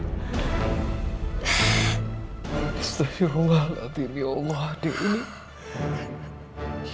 astagfirullahaladzim ya allah adik ini